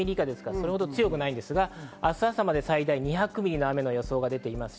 それほど強くないですが、明日朝まで最大で２００ミリの予想が出ています。